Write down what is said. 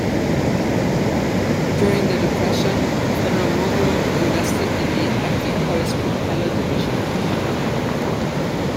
During the depression, Federal-Mogul invested in the Equi-Poise propeller division.